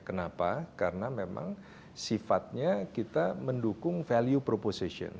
kenapa karena memang sifatnya kita mendukung value proposation